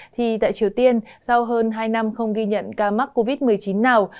thì tại triều tiên sau hơn hai năm không ghi nhận ca mắc covid một mươi chín nào